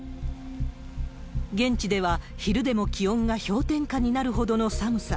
現地では、昼でも気温が氷点下になるほどの寒さ。